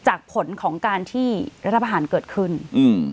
ผลของการที่รัฐประหารเกิดขึ้นอืม